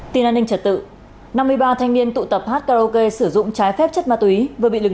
tin an ninh trật tự năm mươi ba thanh niên tụ tập hát karaoke sử dụng trái phép chất ma túy vừa bị lực